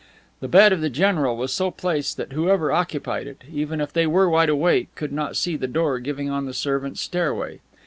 The bed of the general was so placed that whoever occupied it, even if they were wide awake, could not see the door giving on the servants' stairway.